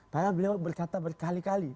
karena beliau berkata berkali kali